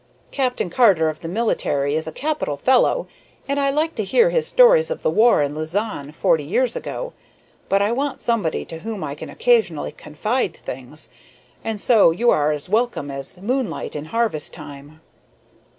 Captain Carter of the military is a capital fellow, and I like to hear his stories of the war in Luzon forty years ago, but I want somebody to whom I can occasionally confide things, and so you are as welcome as moonlight in harvest time."